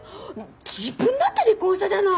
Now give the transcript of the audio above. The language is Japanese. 自分だって離婚したじゃない！